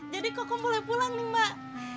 jadi kokom boleh pulang nih mbak